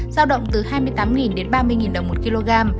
giao động từ hai mươi tám đến ba mươi đồng một kg